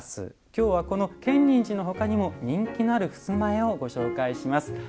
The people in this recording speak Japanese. きょうはこの建仁寺のほかにも人気のある襖絵をご紹介します。